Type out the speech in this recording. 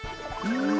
うん！